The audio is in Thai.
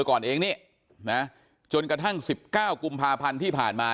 ก่อนเองนี่นะจนกระทั่ง๑๙กุมภาพันธ์ที่ผ่านมา